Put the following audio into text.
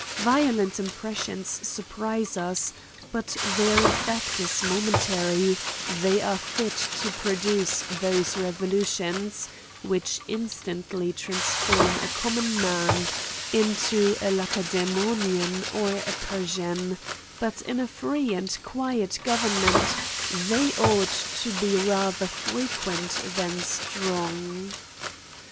Violent impressions surprise us^ but their effect is momentary ; they are fit to pro duce those revolutions which instantly transform a common man into a Lacedaemonian or a Per sian ; but in a free and quiet government they ought to be rather frequent than strong.